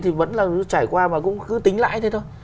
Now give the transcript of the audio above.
thì vẫn là trải qua mà cũng cứ tính lại thế thôi